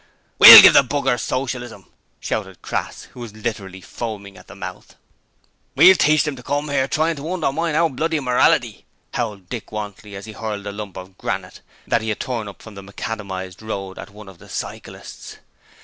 'We'll give the b rs Socialism!' shouted Crass, who was literally foaming at the mouth. 'We'll teach 'em to come 'ere trying to undermined our bloody morality,' howled Dick Wantley as he hurled a lump of granite that he had torn up from the macadamized road at one of the cyclists.